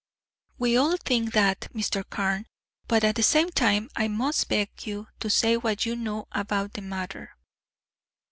"We all think that, Mr. Carne, but at the same time I must beg you to say what you know about the matter."